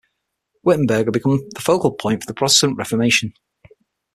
Wittenberg had become the focal point of the Protestant Reformation.